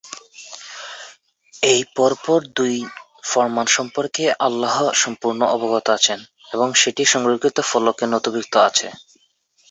এই পরপর দুই ফরমান সম্পর্কে আল্লাহ সম্পূর্ণ অবগত আছেন এবং সেটি সংরক্ষিত ফলকে নথিভুক্ত আছে।